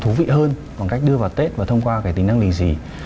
thú vị hơn bằng cách đưa vào tết và thông qua cái tính năng lì gì